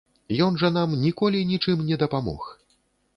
Ён жа нам ніколі нічым не дапамог.